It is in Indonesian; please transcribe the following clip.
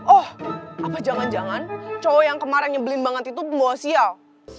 oh apa jangan jangan cowok yang kemarin nyebelin banget itu muasial